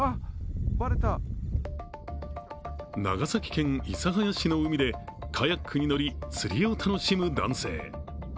長崎県諫早市の海でカヤックに乗り釣りを楽しむ男性。